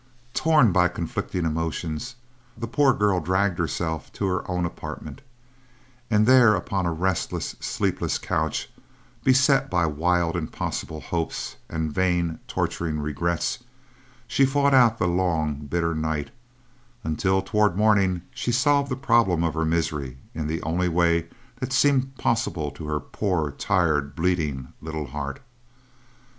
Torn by conflicting emotions, the poor girl dragged herself to her own apartment and there upon a restless, sleepless couch, beset by wild, impossible hopes, and vain, torturing regrets, she fought out the long, bitter night; until toward morning she solved the problem of her misery in the only way that seemed possible to her poor, tired, bleeding, little heart.